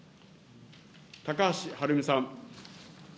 高橋はるみさん。